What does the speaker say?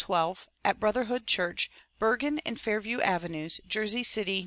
May 19, 1912, at Brotherhood Church, Bergen and Fairview Aves., Jersey City, N.